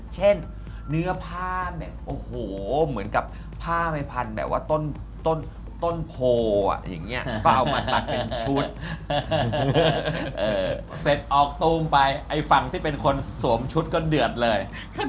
เสบออกปรุงไปไอ้ฝังที่เป็นคนโสมชุดก็เดือดเลย